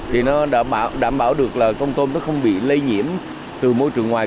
để nó đảm bảo được là con tôm nó không bị lây nhiễm từ môi trường ngoài